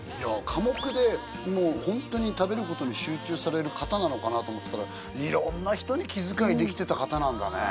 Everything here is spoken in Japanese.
寡黙でもうホントに食べることに集中される方なのかなと思ってたらできてた方なんだね